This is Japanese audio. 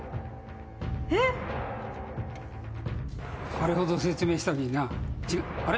「あれほど説明したのにな。あれ？」